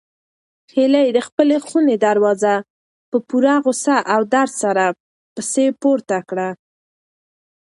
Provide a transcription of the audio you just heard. هیلې د خپلې خونې دروازه په پوره غوسه او درد سره پسې پورته کړه.